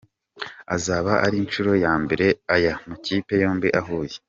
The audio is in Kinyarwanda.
Azaba ari inshuro ya mbere aya makipe yombi ahuye.